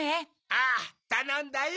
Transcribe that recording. ああたのんだよ。